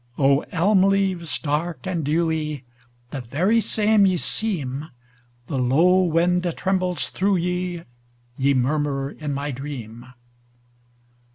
O, elm leaves dark and dewy, The very same ye seem, The low wind trembles through ye, Ye murmur in my dream!